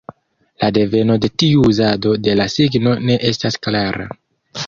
La deveno de tiu uzado de la signo ne estas klara.